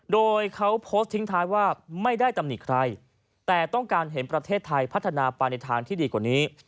โดยเขาโพสต์ทิ้งท้ายว่าไม่ได้ตำหนิใครแต่ต้องการเห็นประเทศไทยพัฒนาไปในทางที่ดีกว่านี้